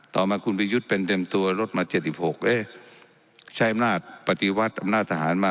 ต่อมาคุณประยุทธ์เป็นเต็มตัวลดมา๗๖เอ๊ะใช้อำนาจปฏิวัติอำนาจทหารมา